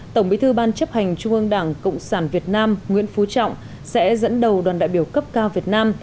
tổng bí thư ban chấp hành trung ương đảng cộng sản việt nam nguyễn phú trọng sẽ dẫn đầu đoàn đại biểu cấp cao việt nam